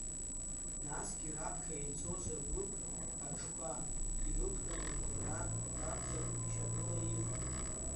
Насгьы раԥхьа ицоз агәыԥ аҽқәа ирықәтәан дара ракәзар шьапыла иҟан.